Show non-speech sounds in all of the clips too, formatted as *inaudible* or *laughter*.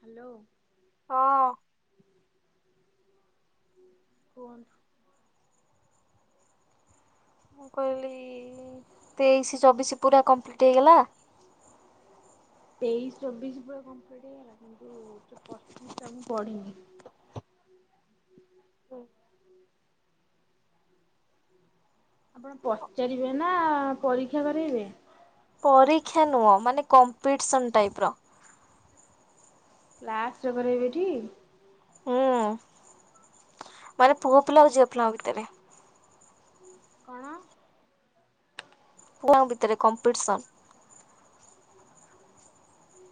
Hello ହଁ କୁହନ୍ତୁ ମୁଁ କହିଲି ତେଇଶି ଚବିଶି ପୁରା କମ୍ପ୍ଲିଟ୍ ହେଇଗଲା। ତେଇଶ ଚବିଶ ପୁରା କମ୍ପ୍ଲିଟ୍ ହେଇଗଲା କିନ୍ତୁ ପଚିଶ ଟା ମୁଁ ପଢ଼ିନି। ଆପଣ ପଚାରିବେ ନା ପରୀକ୍ଷା କରେଇବେ? ପରୀକ୍ଷା ନୁହଁ ମାନେ କମ୍ପିଟିସନ ଟାଇପ୍ ର। କ୍ଲାସ ରେ କରେଇବେ ଟି ହୁଁ। ମାନେ ପୁଅ ପିଲା ଆଉ ଝିଅ ପିଲାଙ୍କ ଭିତରେ। କଣ? *unintelligible* ଭିତରେ କମ୍ପିଟିସନ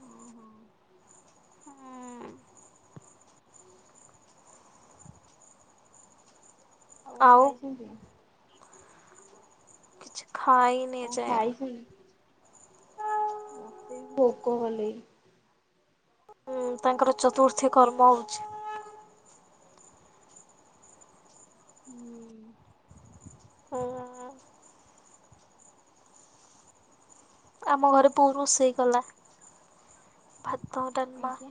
ଓହୋ ଆଉ କଣ ଖାଇଛନ୍ତି? କିଛି ଖାଇନି କଣ ଏଯାଏଁ। ଖାଇଛି? ମତେ ବି ଭୋକ କଲେ ହୁଁ ତାଙ୍କର ଚତୁର୍ଥୀ କର୍ମ ହଉଛି। ହୁଁ। *unintelligible* ଆମ ଘରେ ବୋଉ ରୋଷେଇ କଲା ଭାତ ଡାଲମା ଆଜ୍ଞା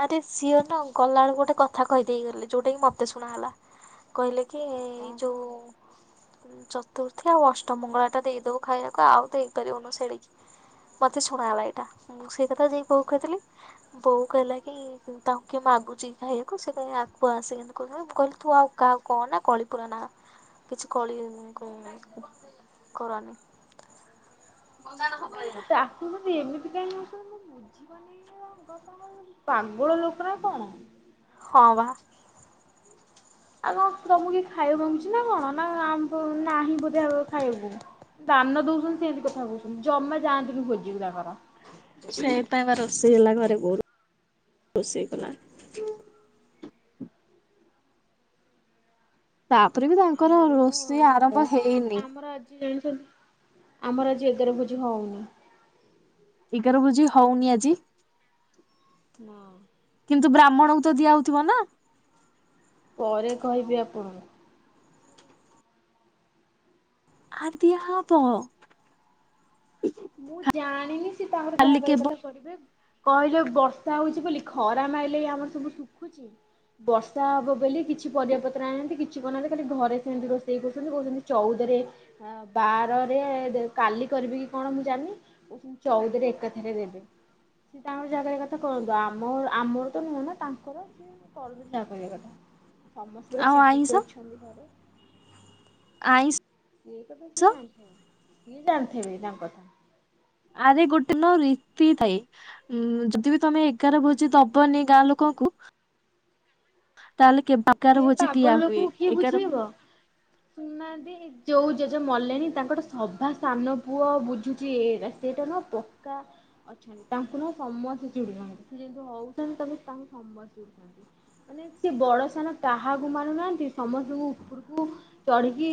ଆରେ ସିଏନ ଗଲାବେଳକୁ ଗୋଟେ କଥା କହିଦେଇ ଗଲେ ଯୋଉଟା କି ମତେ ଶୁଣା ହେଲା। କହିଲେ କି ଏଇ କଣ ଯୋଉ କହିବ? ଚତୁର୍ଥୀ ଆଉ ଅଷ୍ଟମଙ୍ଗଳା ଟା ଦେଇଦବୁ ଖାଇବାକୁ ଆଉ ଦେଇପାରିବୁନୁ ସେଡିକି ମୋତେ ଶୁଣା ହେଲା ଏଇଟା ମୁଁ ସେଇ କଥା ଯାଇକି ବୋଉ କହିଥିଲି ବୋଉ କହିଲା ତାଙ୍କେ ମାଗୁଛି ଖାଇବାକୁ ସେ କ ଆକୁ ଆସିକି କହୁଛନ୍ତି ମୁଁ କହିଲ ଥୁଆ ହେଇ କାହାକୁ କହ ନା କଳି ପୁର ନା କିଛି କଳି ଉ କରାନି। *unintelligible* ଟା ଶୁଣୁ ଏମିତି କାଇ ହଉଛନ୍ତି ମୁଁ ବୁଝିପାରୁନି *unintelligible* ପାଗଳ ଲୋକ ନା କଣ? ହଁ ବା। *inaudible* ଆଉ କଣ ତମକୁ କି ଖାଇବାକୁ ମାଗୁଛି ନା କଣ ନା ଆମ *unintelligible* ନାହିଁ ବୋଧେ ଖାଇବାକୁ। ଦାନ ଦଉଛନ୍ତି ସେମିତି କଥା କହୁଛନ୍ତି ଜମାଯାଆନ୍ତୁନି ଭୋଜିକି ତାଙ୍କର। କିଛି ନାହିଁ ତାଙ୍କ ରୋଷେଇ ହେଲା ଘରେ ଗୋରୁ ରୋଷେଇ କଲା। ତାପରେ ବି ତାଙ୍କର ଆମର ରୋଷେଇ ନୁହଁ ଆରମ୍ଭ ହେଇନି। *unintelligible* ଆମର ଆଜି ଏଗାର ଭୋଜି ହଉନି। ଏଗାର ଭେଜି ହଉନି ଆଜି? ନା। କିନ୍ତୁ ବ୍ରାହ୍ମଣଙ୍କୁ ତ ଦିଆ ହଉଥିବ ନା? ପରେ କହିବି ଆପଣଙ୍କୁ। ଆ ଦିଆ ହବ। ମୁଁ ଜାଣିନି ସି ତାଙ୍କର ଯାହା କାଲି କରିବା କେବ କଥା କରିବେ କହିଲେ ବର୍ଷା ହଉଛି ବୋଲି ଖରା ମାଇଲେ ଆମର ସବୁ ଶୁଖୁଛି। ବର୍ଷା ହବ ବୋଲି କିଛି ପରିବା ପତ୍ର ଆଣିନାହାନ୍ତି କିଛି କହୁନାହାନ୍ତି ଖାଲି ଘରେ ସେମିତି ରୋଷେଇ କରୁଛନ୍ତି କହୁଛନ୍ତି। ଚଉଦରେ ବାରରେ କାଲି କରିବି। କଣ ମୁଁ ଜାଣିନି କହୁ ଚଉଦରେ ଏକାଥେରେ ଦେବେ। ସେ ତାଙ୍କର ଯାହା କରିବା କଥା କରନ୍ତୁ ଆମ ଆମର ତ ନୁହଁ ନା ତାଙ୍କର ସିଏ କରନ୍ତୁ ଯାହା କରିବା କଥା ସମସ୍ତେ ପୁରା ଆଉ ଆଇଁଷ ଚିଡିକି ଅଛନ୍ତି ଘରେ। ଆଇଁସ୍ ଏଇ କଥା ସିଏ ଜାଣିଥେବେ କିଏ ଜାଣିଥେବେ ତାଙ୍କ କଥା। ଆରେ ଗୋଟେନ ରିତି ଥାଏ। ଉଁ ଯଦି ବିି ତମେ ଏଗାର ଭୋଜି ଦବନି ଗାଁ ଲୋକଙ୍କୁ ତାହେଲେ କେବାମ ସେ ପାଗଳ ଲୋକଙ୍କୁ କିଏ ବୁଝେଇବ ଶୁନାହାନ୍ତି। ଯୋଉ ଜେଜେ ମଲେଣି ତାଙ୍କର ସଭା ସାନ ପୁଅ ବୁଝୁଛି ଏଇଟା ସେଇଟା ନୁହଁ ପକ୍କା ଅଛନ୍ତି ତାଙ୍କୁ ନା ସମସ୍ତେ ଚିଡୁଚନ୍ତି ସେ ଯେମିତି ହଉଛନ୍ତି ତା ତାଙ୍କୁ ସମସ୍ତେ ଚିଡୁଚନ୍ତି। ମାନେ ସିଏ ବଡସାନ କାହାକୁ ମାନୁନାହାନ୍ତି ସମସ୍ତଙ୍କୁ ଉପରୁକୁ ଚଢ଼ିକି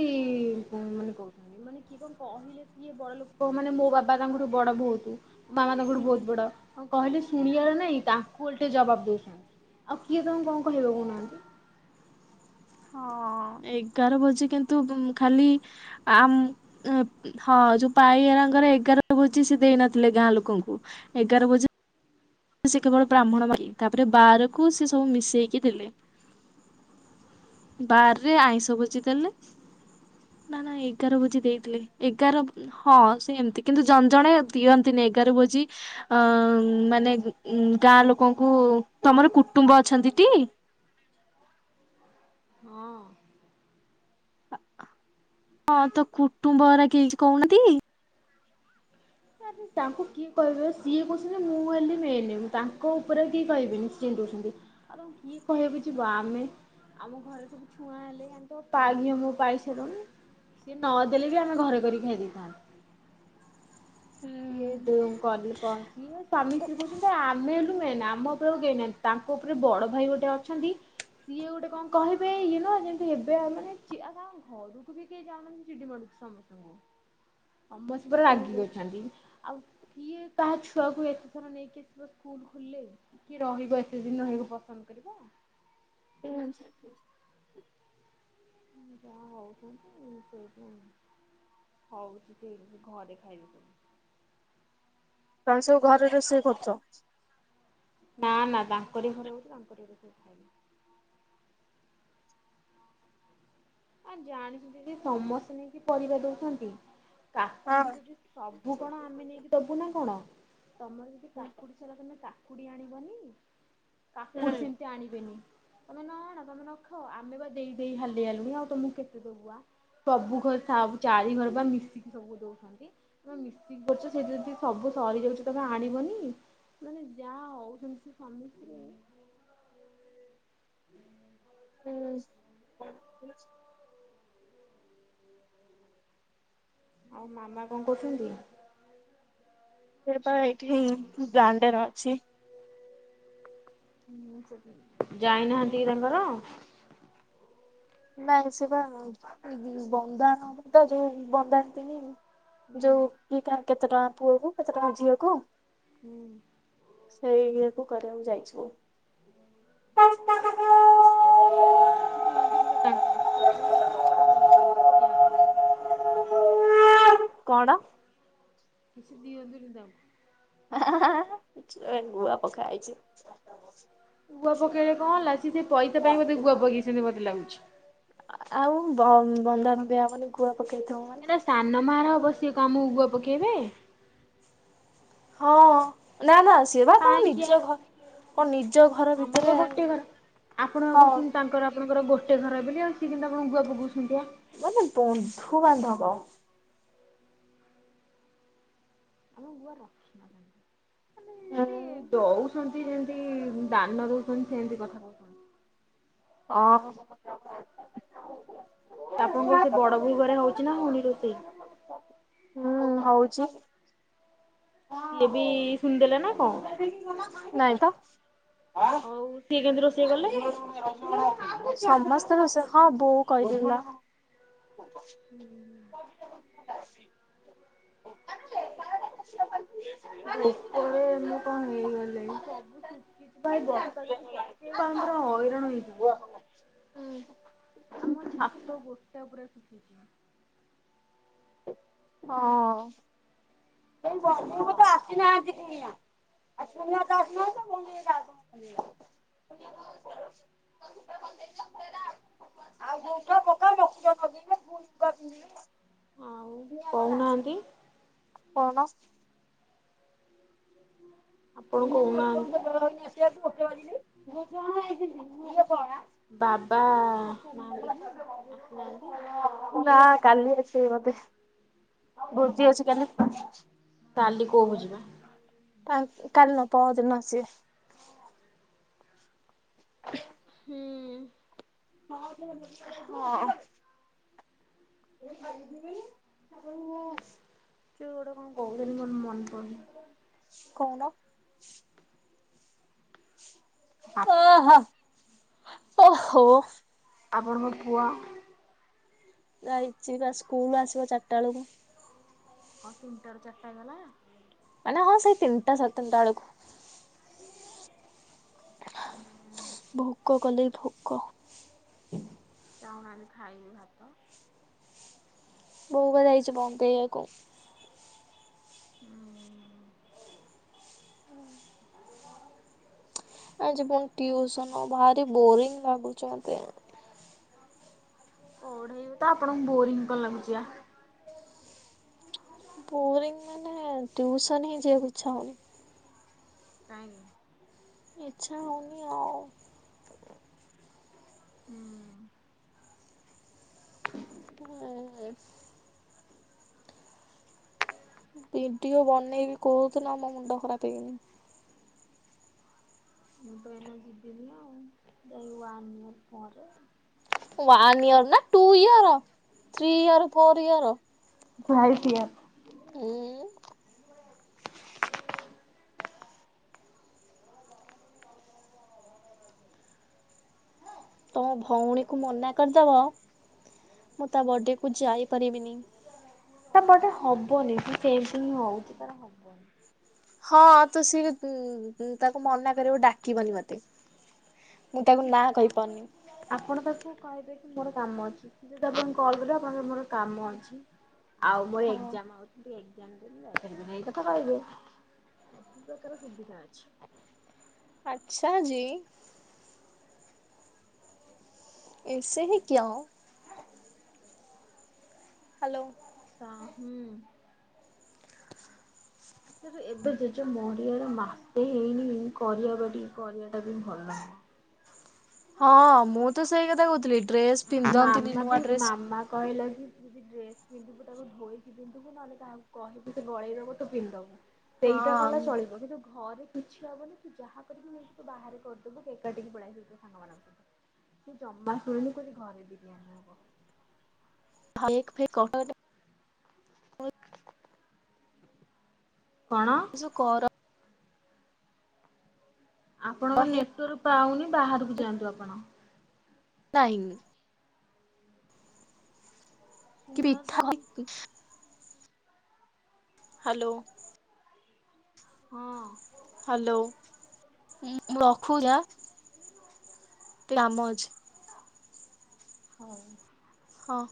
ମାନେ କହୁଛନ୍ତି। ମାନେ କିଏ କଣ କହିଲେ କିଏ ବଡ ଲୋକ ମାନେ ମୋ ବାବା ତାଙ୍କଠୁ ବଡ ବହୁତ ମାମା ତାଙ୍କଠୁ ବହୁତ ବଡ। କଣ କହିଲେ ଶୁଣିବାର ନାଇଁ ତାଙ୍କୁ ଓଲଟେ ଜବାବ ଦଉଛନ୍ତି ଆଉ କିଏ ତାଙ୍କୁ କଣ କହିବ କହୁନାହାନ୍ତି। ହଁ ଏଗାର ଭୋଜି କିନ୍ତୁ ଖାଲି ଆମ ହଁ ଯୋଉ ପାଇଆରାଙ୍କର ଏଗାର ଭୋଜି ସେ ଦେଇ ନଥିଲେ ଗାଁ ଲୋକଙ୍କୁ ଏଗାର ଭୋଜି ସେ କେବଳ ବ୍ରାହ୍ମଣ ମାରି ତାପରେ ବାରକୁ ସେ ସବୁ ମିଶେଇକି ଦେଲେ। ବାରରେ ଆଇଁଶ ଭୋଜି ଦେଲେ ନା ନା ଏଗାର ଭୋଜି ଦେଇଥିଲେ ଏଗାର ହଁ ସେମତି କିନ୍ତୁ ଜଣ ଜଣେ ଦିଅନ୍ତିନି ଏଗାର ଭୋଜି ଅ ମାନେ ଉମ ଗାଁ ଲୋକଙ୍କୁ ତମର କୁଟୁମ୍ବ ଅଛନ୍ତି ଟି? ହଁ। ହଁ ତ କୁଟୁମ୍ବ ହରା କେହି କିଛି କହୁନାହାନ୍ତି? ତାପରେ ତାଙ୍କୁ କିଏ କହିବେ ସିଏ କହୁଚିଜେ ମୁଁ ହେଲି ମେନେ ତାଙ୍କ ଉପରେ ଆ କିଏ କହିବେନି ଚୀନ୍ ଦୋଉସନ୍ତି ଆଉ ତାଙ୍କୁ କିଏ କହିଁବାକୁ ଜିବ ଆମେ ଆମ ଘରେ ସୋବ ଛୁଆଁ ହେଲେ ଆମେତ ପା ଘିଅଙ୍କ ପାଇସାଲୁଣି। ସିଏ ନଦେଲେ ବି ଆମେ ଘରେ କରି ଖାଇ ଦେଇଥାନ୍। ସିଏ ଦୋଉ କଲି କହିବେ ସ୍ୱାମୀ ସ୍ତ୍ରୀ କହୁଛନ୍ତି ଆମେ ହେ ମେନ୍ ଆମ ଉପରେ ଆଉ କହିନାହାନ୍। ତାଙ୍କ ଉପରେ ବଡ ଭାଇ ଗୋଟେ ଅଛନ୍ତି ସିଏ ଗୋଟେ କଁ କହିବେ ଇଏ ନୁହଁ ଯେମିତି ହେବେ ଆଉ ମାନେ ଚିଆଦା ଘରକୁ ବି କେହି ଯାଉନା ଚିଡି ମଡୁଚି ସମସ୍ତଙ୍କୁ ସମସ୍ତେ ରାଗିକି ଅଛନ୍ତି। ଆଉ କିଏ କାହା ଛୁଆକୁ ଏତେ ଥର ନେଇ କେତ ବ ସ୍କୁଲ ଖୋଲିଲେ କିଏ ରହିବ ଏତେ ଦିନ ରହିବା ପସନ୍ଦ କରିବ? *unintelligible* ଯା ହଉଚନ୍ତି ସେଇଥିପାଇଁ ହଉ ଚିକି ମୁଁ ଘରେ ଖାଇବି ପୁଣି ତମେ ସବୁ ଘରେ ରୋଷେଇ କରୁଚ? ନା ନା ତାଙ୍କରି ଘର ହଉଚି ତାଙ୍କରି ଘରେ ସବୁ ଖାଇବେ। ଆ ଜାଣିସୁଦିକି ସମସ୍ତେ ନେଇକି ପରିବା ଦଉଚନ୍ତି। କାକୁଡି ହଁ। ଯଦି ସବୁ କଣ ଆମେ ନେଇକି ଦବୁ ନା କଣ ତମର ଯଦି କାକୁଡି ଛେରା ତମେ କାକୁଡି ଆଣିବନି କାକୁଡି ସିମତି ଆଣିବେନି। ତମେ ନ ଆଣ ତମେ ନଖାଅ ଆମେ ବା ଦେଇ ଦେଇ ହାଲିଆ ହେଲୁଣି ଆଉ ତମକୁ କେତେ ଦବୁଆ ସବୁ ଘର ସବୁ ଚାରି ଘର ବା ମିଶିକି ସବୁ ଦଉଛନ୍ତି। ତମେ ମିଶିକି କରୁଛ ସେଇଠି ଯଦି ସବୁ ସରିଯାଉଚି ତମେ ଆଣିବନି? ମାନେ ଯାହା ହଉଚନ୍ତି ସେ ସ୍ୱାମୀ ସ୍ତ୍ରୀ ହୁଁ। ଆଉ ମାମା କଁ କରଚନ୍ତି? ସେ ପା ଏଇଠି ଦାଣ୍ଡେର ଅଛି। ଯାଇନାହାନ୍ତି କି ତାଙ୍କର? ନାଇଁ ସେ ବା ଉ ବନ୍ଦା ନବତ ଯୋଉ ବନ୍ଦାନ୍ତିନି? ହୁଁ ଯୋଉ କିଏ କା କେତେ ଟଙ୍କା ପୁଅ କୁ କେତେ ଟଙ୍କା ଝିଅକୁ ହୁଁ। ସେଇ ଇଏ କୁ କରିବାକୁ ଯାଇଛୁ। *inaudible* କିଛି ଦିଅନ୍ତୁନି ବେଟାଙ୍କୁ ସେଭଳି ଲୋକ କିଛି ଦବା କଥା ନୁହଁ କି ଯିିବା କଥା ନୁହ। କଣ? କିଛି ଦିଆନ୍ତୁନି ତାଙ୍କୁ। ହା ହା ହା *unintelligible* ଗୁଆ ପକାହେଇଚି। ଗୁଆ ପକେଇଲେ କଁ ହେଲା ସିଏ ସେ ପଇତା ପାଇଁ ବୋଧେ ଗୁଆ ପକେଇଛନ୍ତି ସେମିତି ମୋତେ ଲାଗୁଛି। ଆଉ ବନ୍ ବନ୍ଧା ବାନ୍ଧି ହବନି ଗୁଆ ପକେଇଥବ ମାନେ। ଏ ସାନ ମାର ଅବଶ୍ୟ କା ମୁଁ ଗୁଆ ପକେଇବେ? ହଁ ନା ନା ସେ ବା ତମ ପାଇଁକିଆ ନିଜ ଘ ଆମର ଗୋଟେ ଘର ଆପଣ ବା ହଁ କହୁଚନ୍ତି ତାଙ୍କର ପଣଙ୍କର ଗୋଟେ ଘର ବୋଲି ଆଉ ସିଏ କେମତି କଁ ଗୁଆ ପକାଉଛନ୍ତି ଆ? ମାନେ ବନ୍ଧୁବାନ୍ଧବ। ଆମେ ଗୁଆ ରଖିନଥାନ୍ତୁ ମାନେ ଯଦି ଦଉ ଦଉଛନ୍ତି ଯେମତି ଦାନ ଦଉଛନ୍ତି ସେମତି କଥା କଥା ଓ *unintelligible* ଆପଣଙ୍କ ସେ ବଡ ବୋଉ ଘରେ ହଉଛି ନା ହଉନି ରୋଷେଇ? ହୁଁ ହଉଛି। ସିଏ ବି ଶୁଣିଦେଲେ ନା କଣ? ନାଇଁ ତ। ଆଉ ସିଏ କେନ୍ତି ରୋଷେଇ କଲେ। ସମସ୍ତେ ରୋଷେଇ ହଁ ବୋଉ କହିଦେଲା। ହୁଁ। ଭୋକରେ *unintelligible* ମୁଁ କଣ ହେଇଗଲେଣି ସବୁ ଶୁଖିଛି ଭାଇ ବର୍ଷା ଯଦି ପକେଇବା ଆମେ ପୁରା ହଇରାଣ ହେଇଯିବୁ। ଆମ ଛାତ ଗୋଟା ପୁରା ଶୁଖିଛି। ହଁ ଅ। ସେଇ ବଜେବୁତ ତ ଆସିନାହାନ୍ତି କୁଣିଆ। ଆ କୁଣିଆତ ଆସିନାହାନ୍ତି ମୁଁ ଜିବି କାଆକୁ *unintelligible* *inaudible* ଆଉ କହୁନାହାନ୍ତି *unintelligible* କହୁନ। ଆପଣ *unintelligible* ନା କହୁନାହାନ୍ତି। କାଲି ବାବା ନାହାନ୍ତି କି ଆସିନାହାନ୍ତି? ସେଇ କଥା ଭୋଜି ଅଛି କାଲି। କାଲି କୋଉ ଭୋଜି ବା। କାଲି କାଲି ନୁହଁ ପହରଦିନ ଆସିବେ। *inaudible* ହୁଁ। ହଁଅଁ। *inaudible* କିଏ ଗୋଟେ କଣ କହୁଛନ୍ତି ମୋର ମନେ ପଡୁନି। କହୁନ? ଓ ହୋ ଓହୋ। ଆପଣଙ୍କ ପୁଅ? ଯାଇଇଛି ବା ସ୍କୁଲ ଆସିବ ଚାରିଟା ଏଳକୁ। ହଁ ତିନିଟା ରୁ ଚାରିଟା ଗଲା। ମାନେ ହଁ ସେଇ ତିନଟା ସାଡେ ତିନଟା ଏଳୁକୁ। *inaudible* ଭୋକ କଲେ ଭୋକ। ଯାଉନାଁହାନ୍ତି ଖାଇବେ ଭାତ। ବୋଉ ପା ଯାଇଚି ବନ୍ଦେଇବାକୁ। ହୁଁ *inaudible* ଆଜି ପୁଣି ଟିଉସନ ଭାରି ବୋରିଙ୍ଗ ଲାଗୁଛି ମତେ। ପଢେଇବେତ ଆପଣଙ୍କୁ ବୋରିଙ୍ଗଂ କଣ ଲାଗୁଛିବା? ବୋରିଂ ମାନେ ଟ୍ୟୁସନ ହିଁ ଯିିବାକୁ ଇଛା ହଉନି। କାଇଁ। ଏଚ୍ଛା ହଉନି ଆଉ। ହୁଁ *unintelligible* ହଁ ବିିଡିଓ ବନେଇବି କହୁଥିଲା ନା ମୋ ମୁଣ୍ଡ ଖରାପ ହେଇଗଲାଣି। ମୁଁ ତ ଏଇନା ଯିବିନି ଆଉ ଯାଇ ୱାନ ଇଅର ପରେ। ୱାନ୍ ଇୟର ନା two year three year four year. ଘାଇଛିିଆ *inaudible* ହୁଁଉଁ। ତମ ଭଉଣୀକୁ ମନା କରିଦବ ମୁଁ ତା ବର୍ଥଡେକୁ ଯାଇପାରିବିନି। ଟା ମୋଟେ ହବନି ତୁ ସେମିତି ହିଁ ହଉଚି ତାର ହବ ହଁ ତ ସିଏ ତୁଉ ଉ ତାକୁ ମନା କରିବ ଡାକିବନି ମତେ। ମୁଁ ତାକୁ ନାଁ କହିପାରୁନି। ଆପଣ ତାକୁ କହିବେ କି ମୋର କାମ ଅଛି। ଯଦି ଆପଣଙ୍କୁ କଲ କରେ ଆପଣ କଇଏ ମୋର କାମ ଅଛି ଆଉ ମୋର ହଁ। ଏକଜାମ ଅଛି। *unintelligible* ଏଇ କଥା କହିବେ, *unintelligible* ସୁବିଧା ଅଛି। ଆଛା ଜୀ। ଏସେ ହି କିୟା ହୋ? ହ୍ୟାଲୋ। *unintelligible* ସେ ଏବେ ଜେଜ ମରିଆର ମାସେ ହେଇନି କରିବା ବା ଟିକେ କରିବା ଟା ବି ଭଲ ନୁହଁ। ହଁ ମୁଁ ତ ସେଇ କଥା କହୁଥିଲି। ଡ୍ରେସ୍ ପିନ୍ଧନ୍ତିନି ମାମା ନୂଆ ବି ଡ୍ରେସ୍ ମାମା କହିଲା କି ଯଦି ଡ୍ରେସ ପିନ୍ଧିବୁ ତାକୁ ଧୋଇକି ପିନ୍ଧିବୁ ନହେଲେ କାହାକୁ କହିବୁ ସେ ଗଳେଇଦବ ତୁ ପିନ୍ଧଦବୁ। ସେଇଟା କଲା ହଁ ଚଳିବ କିନ୍ତୁ ଘରେ କିଛି ହେବନି ତୁ ଯାହା କରିବୁ ନେଇକି ସେ ବାହାରେ କରିଦବୁ କେକ୍ କାଟିକି ପଳେଇ ଆସିବୁ ତୋ ସାଙ୍ଗମାନଙ୍କ ସହିତ। ଜମା ଶୁଣନି *unintelligible* ହ ଏକ ଫ *unintelligible* କଣ? ଯୋ କର ଆପଣଙ୍କ ହିଁ ନେଟୱାର୍କ ପାଉନି ବାହାରକୁ ଯାଆନ୍ତୁ ଆପଣ। *unintelligible* କି ଶୁଣା ମିଠା ଯାଉନି *unintelligible* ହ୍ୟାଲୋ। ହଁ। ହ୍ୟାଲୋ। ମୁଁ ରଖୁଚି ଆ ଟିକେ କାମ ଅଛି। ହଉ। ହଁ।